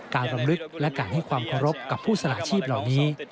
รำลึกและการให้ความเคารพกับผู้สละชีพเหล่านี้